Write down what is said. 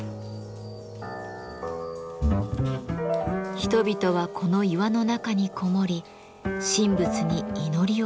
人々はこの岩の中にこもり神仏に祈りをささげたのです。